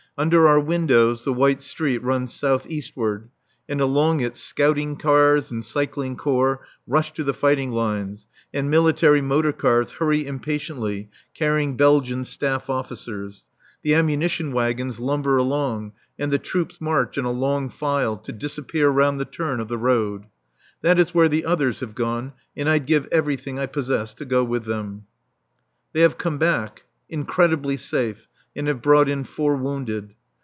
Under our windows the white street runs south eastward, and along it scouting cars and cycling corps rush to the fighting lines, and military motor cars hurry impatiently, carrying Belgian staff officers; the ammunition wagons lumber along, and the troops march in a long file, to disappear round the turn of the road. That is where the others have gone, and I'd give everything I possess to go with them. They have come back, incredibly safe, and have brought in four wounded.